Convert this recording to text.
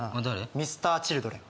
Ｍｒ．Ｃｈｉｌｄｒｅｎ